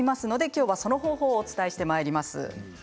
きょうはその方法をお伝えします。